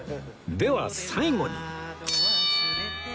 では最後に